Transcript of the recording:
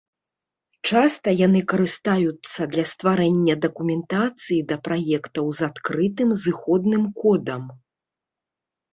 Часта яны карыстаюцца для стварэння дакументацыі да праектаў з адкрытым зыходным кодам.